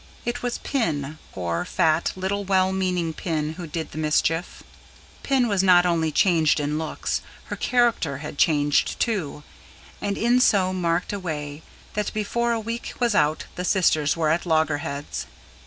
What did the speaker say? It was Pin, poor, fat, little well meaning Pin, who did the mischief Pin was not only changed in looks; her character had changed, too; and in so marked a way that before a week was out the sisters were at loggerheads.